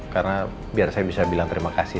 karena biar saya bisa bilang terima kasih